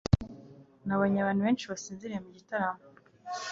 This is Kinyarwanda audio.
nabonye abantu benshi basinziriye mugitaramo